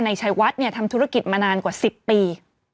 นายชายวัดเนี่ยทำธุรกิจมานานกว่าสิบปี